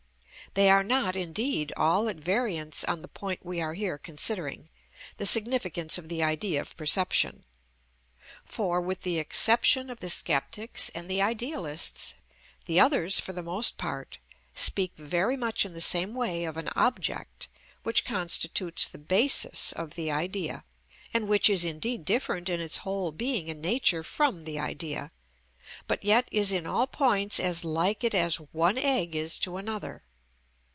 They are not, indeed, all at variance on the point we are here considering, the significance of the idea of perception. For, with the exception of the Sceptics and the Idealists, the others, for the most part, speak very much in the same way of an object which constitutes the basis of the idea, and which is indeed different in its whole being and nature from the idea, but yet is in all points as like it as one egg is to another.